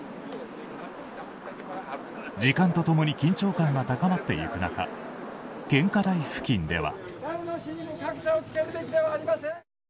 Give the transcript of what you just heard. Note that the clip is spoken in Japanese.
時間と共に緊張感が高まっていく中献花台付近では。